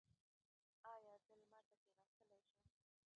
ایا زه لمر ته کیناستلی شم؟